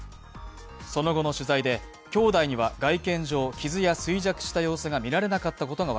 その後の取材で兄弟には外見上、傷や衰弱した様子がみられなかったことが